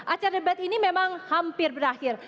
acara debat ini memang hampir berakhir